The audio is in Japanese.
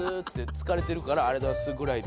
疲れてるから「ありがとうございます」ぐらいで。